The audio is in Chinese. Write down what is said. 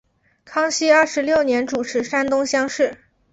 康熙二十六年主持山东乡试。